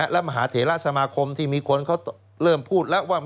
และมหาเถระสมาคมที่มีคนเขาเริ่มพูดแล้วว่า